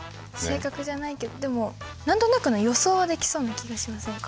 正確じゃないけどでも何となくの予想はできそうな気がしませんか？